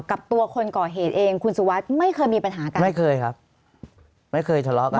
คุณสุวัสดิ์ต้องคุ้นเกินกับคนแทบจะทั้งตลาด